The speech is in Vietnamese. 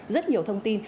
rất nhiều thông tin